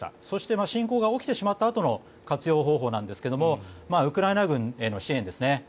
そして、侵攻が起きてしまったあとの活用方法なんですがウクライナ軍への支援ですね。